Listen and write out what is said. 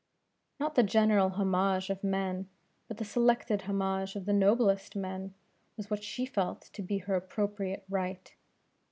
Not the general homage of men, but the selected homage of the noblest men, was what she felt to be her appropriate right.